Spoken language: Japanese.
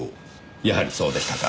やはりそうでしたか。